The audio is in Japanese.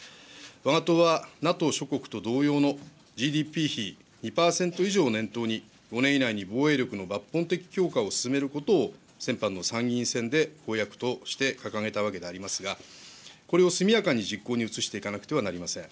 わが党は、ＮＡＴＯ諸国と同様のＧＤＰ比２％以上を念頭に、５年以内に防衛力の抜本的強化を進めることを先般の参議院選で公約として掲げたわけでありますが、これを速やかに実行に移していかなくてはなりません。